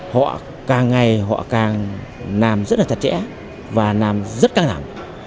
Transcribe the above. họ càng ngày họ càng làm rất là chặt chẽ và làm rất căng thẳng